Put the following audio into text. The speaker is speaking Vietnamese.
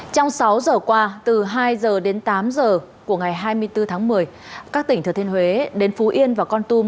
trong sáu giờ qua từ hai giờ đến tám giờ của ngày hai mươi bốn tháng một mươi các tỉnh thừa thiên huế đến phú yên và con tum